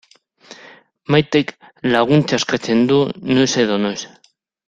Maitek laguntza eskatzen du noiz edo noiz.